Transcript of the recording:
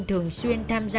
thường xuyên tham gia